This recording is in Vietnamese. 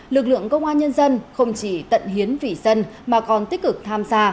lực lượng công an nhân dân không chỉ tận hiến vị dân mà còn tích cực tham gia